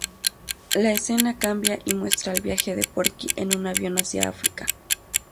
La escena cambia y muestra el viaje de Porky en un avión hacia África.